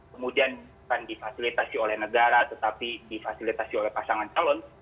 kemudian bukan difasilitasi oleh negara tetapi difasilitasi oleh pasangan calon